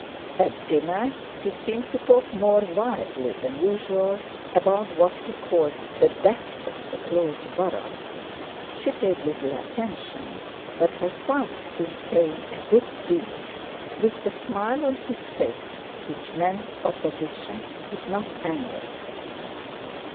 At dinner he seemed to talk more wildly than usual about what he called "the death of the close borough"—she paid little attention, but her father seemed paying a good deal, with the smile on his face which meant opposition, if not anger.